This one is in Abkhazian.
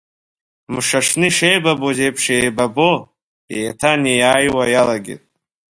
Мшаҽны ишеибабоз еиԥш еибабо, еиҭа-неиааиуа иалагеит.